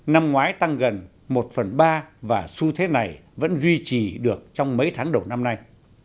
năm ngoái tăng gần một phần ba và xu thế này vẫn duy trì được trong mấy tháng đầu năm nay